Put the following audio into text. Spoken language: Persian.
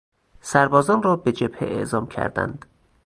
سربازان را به جبهه اعزام کردند.